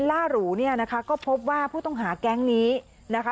ร์หูนะคะก็พบว่าผู้ต้องหาแก๊งนี้นะคะ